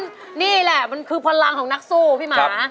นี่แหละมันคือพลังของนักสู้พี่หมา